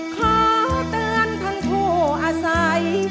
ขอเตือนทั้งผู้อาศัย